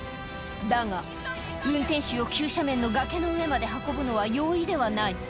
だが運転手を急斜面の崖の上まで運ぶのは容易ではない。